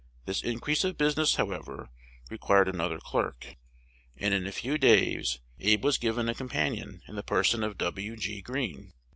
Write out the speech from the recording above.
This increase of business, however, required another clerk, and in a few days Abe was given a companion in the person of W. G. Green.